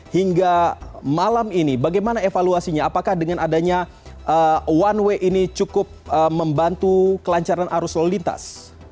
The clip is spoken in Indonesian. hingga malam ini bagaimana evaluasinya apakah dengan adanya one way ini cukup membantu kelancaran arus lalu lintas